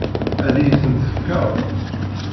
Ad iyi-tent-tefkeḍ?